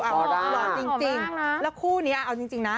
หล่อจริงแล้วคู่นี้เอาจริงนะ